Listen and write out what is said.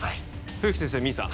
冬木先生ミンさん